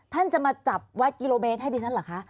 ท่านจะมาจะจับวัฒน์กิโลเบนท์ให้ดีซันเหรอคะ